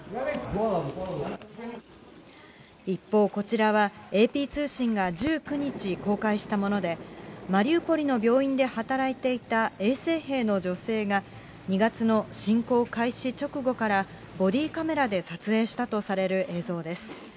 一方、こちらは、ＡＰ通信が１９日公開したもので、マリウポリの病院で働いていた衛生兵の女性が２月の侵攻開始直後からボディーカメラで撮影したとされる映像です。